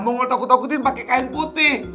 mongol takut takutin pakai kain putih